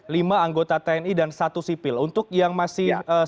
lima anggota tni dan satu sipil untuk yang masih